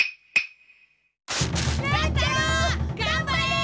乱太郎がんばれ！